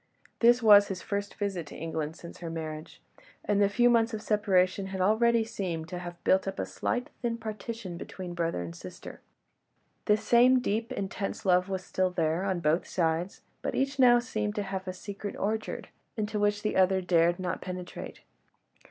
This was his first visit to England since her marriage, and the few months of separation had already seemed to have built up a slight, thin partition between brother and sister; the same deep, intense love was still there, on both sides, but each now seemed to have a secret orchard, into which the other dared not penetrate.